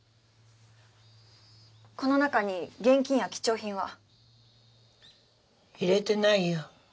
この中に現金や貴重品は？入れてないよ。